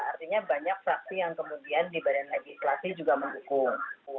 artinya banyak fraksi yang kemudian di badan legislasi juga mendukung